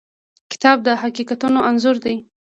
کتاب د حقیقتونو انځور دی.